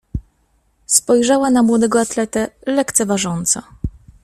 "Spojrzała na młodego atletę lekceważąco."